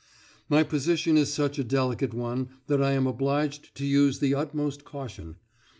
My position is such a delicate one that I am obliged to use the utmost caution.